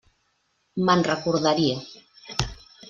Me'n recordaria.